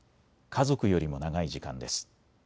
家族よりも長い時間です。